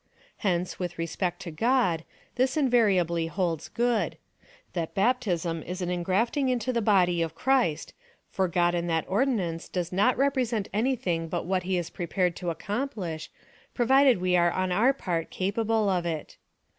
Hence, with respect to God, this invariably holds good — that baptism is an en giafting into the body of Christ, for God in that ordinance does not represent anything but what he is prepared to accomplish, provided we are on our part caj)able of it.